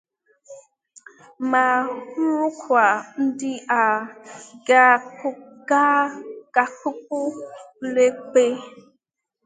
ma bụrụkwa ndị a ga-akpụpụ ụlọikpe